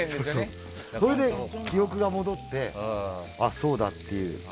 それで、記憶が戻ってあ、そうだっていう。